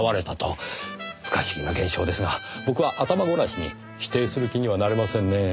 不可思議な現象ですが僕は頭ごなしに否定する気にはなれませんねぇ。